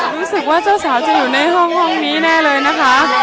รู้สึกว่าเจ้าสาวจะอยู่ในห้องนี้แน่เลยนะคะ